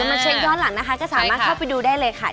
มาเช็คย้อนหลังนะคะก็สามารถเข้าไปดูได้เลยค่ะ